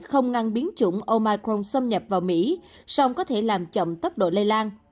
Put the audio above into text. không ngăn biến chủng omicron xâm nhập vào mỹ song có thể làm chậm tốc độ lây lan